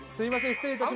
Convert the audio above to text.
失礼いたします。